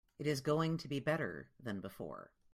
It is going to be better than before.